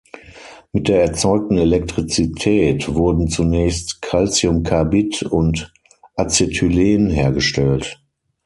Mit der erzeugten Elektrizität wurden zunächst Calciumcarbid und Acetylen hergestellt.